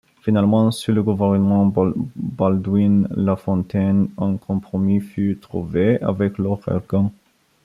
Finalement, sous le gouvernement Baldwin-Lafontaine, un compromis fut trouvé avec Lord Elgin.